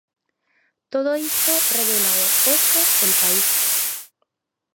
Todo isto revélao hoxe El País.